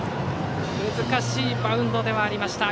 難しいバウンドではありました。